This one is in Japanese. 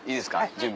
準備。